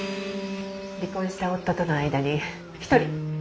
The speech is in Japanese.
離婚した夫との間に１人。